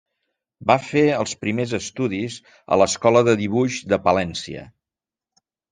Va fer els primers estudis a l'Escola de dibuix de Palència.